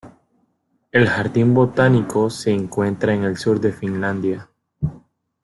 El jardín botánico se encuentra en el sur de Finlandia.